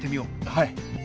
はい。